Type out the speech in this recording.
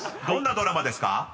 ［どんなドラマですか？］